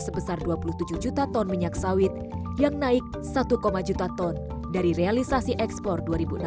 sebesar dua puluh tujuh juta ton minyak sawit yang naik satu juta ton dari realisasi ekspor dua ribu enam belas